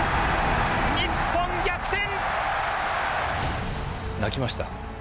日本、逆転。